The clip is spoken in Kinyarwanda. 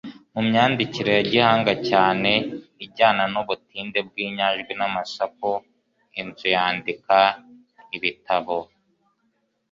myandikire ya gihanga cyane ijyana n'ubutinde bw'inyajwi n'amasaku. inzu yandika ibitabo